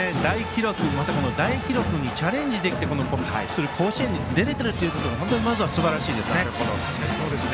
大記録にチャレンジできる甲子園に出れてるということがまずはすばらしいですね。